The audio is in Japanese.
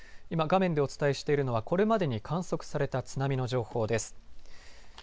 今、画面でお伝えしているのはこれまでに観測された津波の情報です。